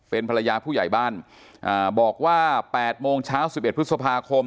เป็นภรรยาผู้ใหญ่บ้านบอกว่า๘โมงเช้า๑๑พฤษภาคม